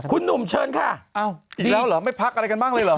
คุณหนุ่มเชิญค่ะอีกแล้วเหรอไม่พักอะไรกันบ้างเลยเหรอ